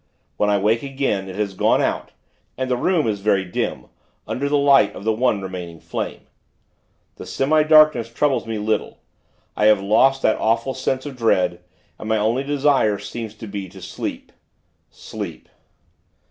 When I wake again, it has gone out, and the room is very dim, under the light of the one remaining flame. The semi darkness troubles me little. I have lost that awful sense of dread, and my only desire seems to be to sleep sleep.